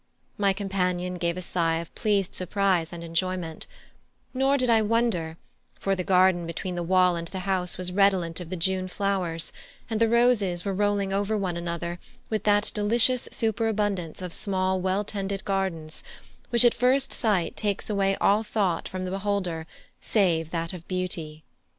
My companion gave a sigh of pleased surprise and enjoyment; nor did I wonder, for the garden between the wall and the house was redolent of the June flowers, and the roses were rolling over one another with that delicious superabundance of small well tended gardens which at first sight takes away all thought from the beholder save that of beauty.